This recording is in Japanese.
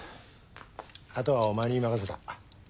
後はお前に任せた。